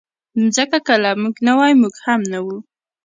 مځکه که له موږ نه وای، موږ هم نه وو.